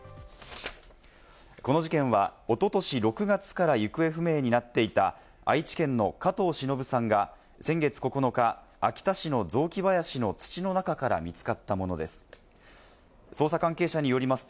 この事件はおととし６月から行方不明になっていた愛知県の加藤しのぶさんが先月９日、秋田市の雑木林の土の中から見つかったものです。